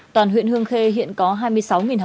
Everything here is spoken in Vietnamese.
toàn huyện hương khê hiện có hai mươi sáu học sinh